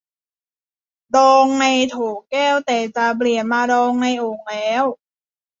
ดองในโถแก้ว แต่จะเปลี่ยนมาดองในโอ่งแล้ว